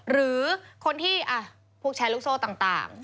หรือคนที่พวกแชร์ลูกโซ่ต่าง